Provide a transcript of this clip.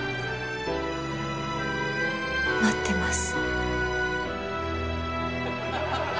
待ってます。